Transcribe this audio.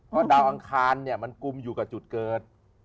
เพราะดาวอังคารเนี่ยมันกุมอยู่กับจุดเกิด